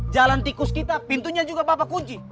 jalan tikus kita pintunya juga bapak kuji